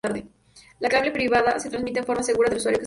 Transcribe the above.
La clave privada se transmite de forma segura al usuario que se une.